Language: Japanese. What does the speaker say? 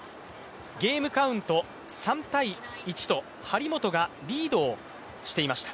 ゲームカウント３−１と張本がリードしていました。